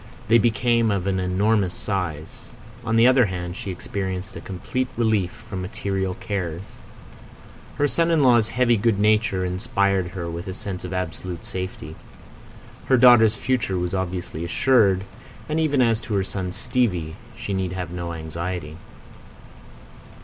They became of an enormous size. On the other hand, she experienced a complete relief from material cares. Her son in law's heavy good nature inspired her with a sense of absolute safety. Her daughter's future was obviously assured, and even as to her son Stevie she need have no anxiety.